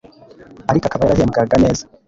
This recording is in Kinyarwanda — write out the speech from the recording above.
ariko akaba yarahembwaga neza